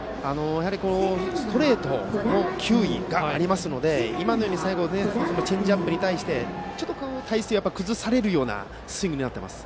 ストレートの球威がありますので今のようにチェンジアップに対してちょっと体勢を崩されるようなスイングになっています。